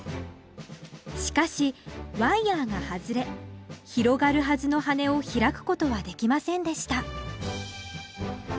しかしワイヤーが外れ広がるはずの羽を開くことはできませんでした